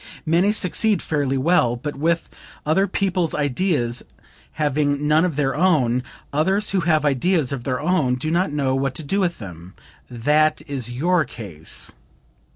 Many succeed fairly well, but with other people's ideas, having none of their own; others who have ideas of their own, do not know what to do with them. That is your case."